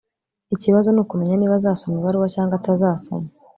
ikibazo nukumenya niba azasoma ibaruwa cyangwa atazasoma